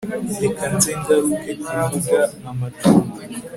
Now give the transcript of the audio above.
reka nze ngaruke kuvuga amacumu